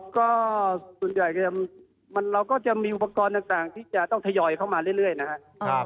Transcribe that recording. ก็ส่วนใหญ่เราก็จะมีอุปกรณ์ต่างที่จะต้องทยอยเข้ามาเรื่อยนะครับ